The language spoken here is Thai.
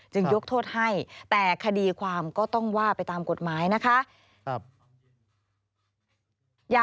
ยกโทษให้แต่คดีความก็ต้องว่าไปตามกฎหมายนะคะ